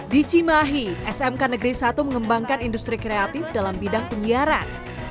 di cimahi smk negeri satu mengembangkan industri kreatif dalam bidang penyiaran